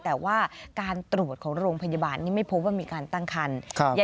แต่ว่าการตรวจของโรงพยาบาลนี้ไม่พบว่ามีการตั้งคัน